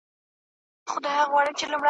زمری خپلي بې عقلۍ لره حیران سو `